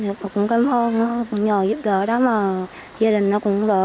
nói chung là cũng nhờ anh phương giúp đỡ đó mà gia đình nó cũng đỡ một chút